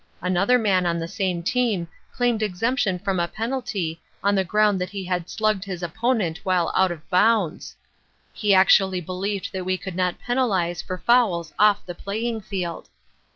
Another man on the same team claimed exemption from a penalty on the ground that he had slugged his opponent while out of bounds. He actually believed that we could not penalize for fouls off the playing field.